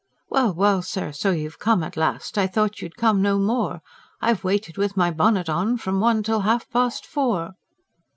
WELL, WELL, SIR, SO YOU'VE COME AT LAST! I THOUGHT YOU'D COME NO MORE. I'VE WAITED, WITH MY BONNET ON, FROM ONE TILL HALF PAST FOUR!